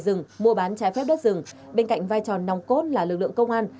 rừng mua bán trái phép đất rừng bên cạnh vai trò nòng cốt là lực lượng công an